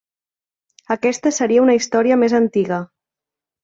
Aquesta seria una història més antiga.